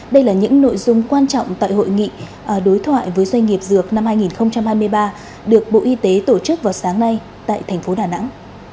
đây là những nội dung quan trọng tại hội nghị đối thoại với doanh nghiệp dược năm hai nghìn hai mươi ba được bộ y tế tổ chức vào sáng nay tại thành phố đà nẵng